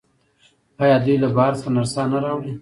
آیا دوی له بهر څخه نرسان نه راوړي؟